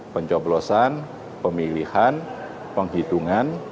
pencoblosan pemilihan penghitungan